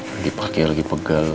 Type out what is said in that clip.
lagi pake lagi pegal